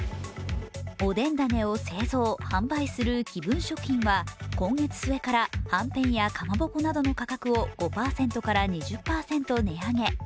おでんだねを製造・販売する紀文食品は今月末から、はんぺんやかまぼこなどの価格を５％から２０％値上げ。